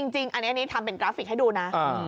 จริงอันนี้ทำเป็นกราฟิกให้ดูนะ